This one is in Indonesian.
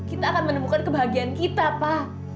kita akan menemukan kebahagiaan kita pak